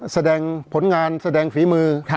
แสดงผลงานแสดงฝีมือ